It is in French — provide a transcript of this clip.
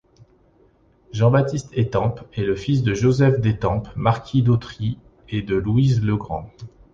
Jean-Baptiste d'Étampes est le fils de Joseph d’Étampes, marquis d’Autry et de Louise Legrand.